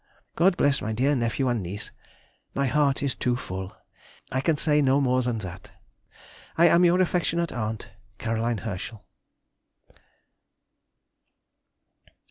God bless my dear nephew and niece!... My heart is too full—I can say no more than that I am your affectionate aunt, CAR. HERSCHEL.